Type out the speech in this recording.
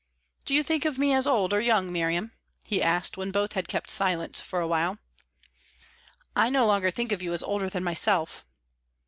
"Do you think of me as old or young, Miriam?" he asked, when both had kept silence for a while. "I no longer think of you as older than myself."